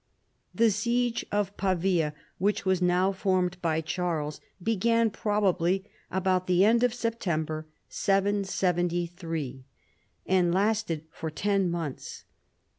The siege of Pavia, which was now formed by Charles, began probably about the end of September, 773, and lasted for ten months.